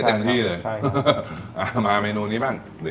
ใส่ให้เต็มที่เลย